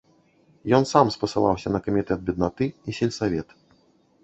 Ён сам спасылаўся на камітэт беднаты і сельсавет.